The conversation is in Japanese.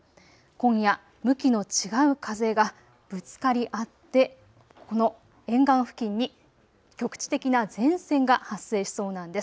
今夜、向きの違う風がぶつかり合ってこの沿岸付近に局地的な前線が発生しそうなんです。